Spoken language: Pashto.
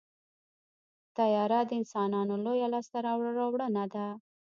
طیاره د انسانانو لویه لاسته راوړنه ده.